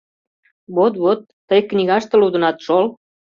— Вот, вот, тый книгаште лудынат, шол.